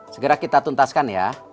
segera kita tuntaskan ya